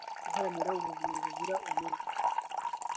Guharanira ubuzima buzira umuze